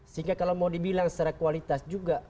sehingga kalau mau dibilang secara kualitas juga